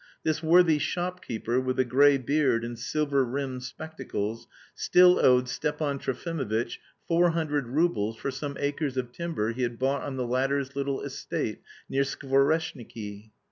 This worthy shopkeeper, with a grey beard and silver rimmed spectacles, still owed Stepan Trofimovitch four hundred roubles for some acres of timber he had bought on the latter's little estate (near Skvoreshniki).